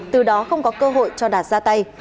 từ đó không có cơ hội cho đạt ra tay